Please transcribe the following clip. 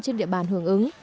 trên địa bàn hướng